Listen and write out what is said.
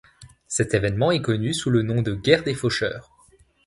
Cet événement est connu sous le nom de guerre des faucheurs.